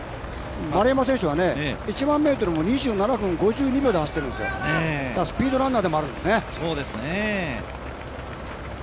丸山選手は１００００ｍも２７分５０秒台で走っているんですよ、スピードランナーでもあるんですね。